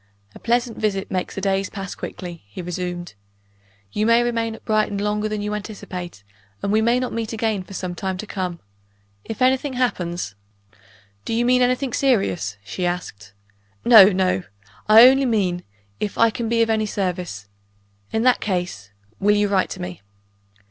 "A pleasant visit makes the days pass quickly," he resumed. "You may remain at Brighton longer than you anticipate; and we may not meet again for some time to come. If anything happens " "Do you mean anything serious?" she asked. "No, no! I only mean if I can be of any service. In that case, will you write to me?"